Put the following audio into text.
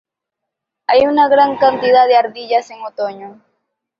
Hay una gran cantidad de ardillas en otoño.